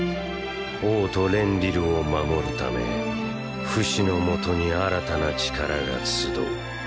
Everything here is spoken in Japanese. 王都レンリルを守るためフシのもとに新たな力が集う。